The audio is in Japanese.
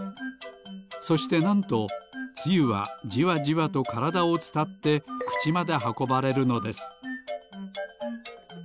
そしてなんとつゆはじわじわとからだをつたってくちまではこばれるのです。